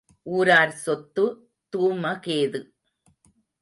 ஊரார் சொத்துத் தூமகேது.